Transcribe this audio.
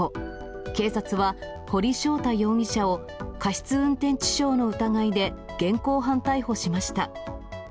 警察は、堀翔太容疑者を過失運転致傷の疑いで現行犯逮捕しました。